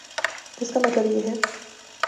جس کا مطلب یہ ہے۔